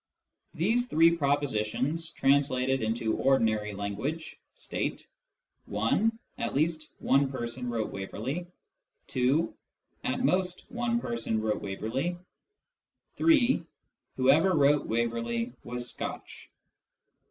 These three propositions, translated into ordinary language, state : (1) at least one person wrote Waverley ; (2) at most one person wrote Waverley ; (3) whoever wrote Waverley was Scotch.